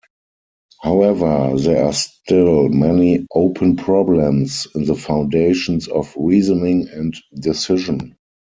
However, there are still many open problems in the foundations of reasoning and decision.